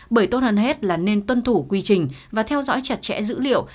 bởi tốt hơn hết là nên tuân thủ quy trình và theo dõi chặt chẽ dữ liệu